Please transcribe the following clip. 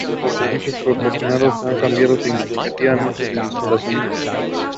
The stalkless leaves are lance shaped and possess long and short hairs.